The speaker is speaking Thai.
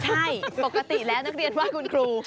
ใช่ปกติแล้วนักเรียนว่าคุณครู